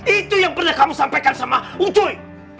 itu yang pernah kamu sampaikan sama ucuy